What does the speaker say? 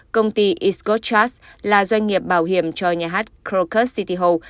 công ty iscochart là doanh nghiệp bảo hiểm cho nhà hát krokus city hall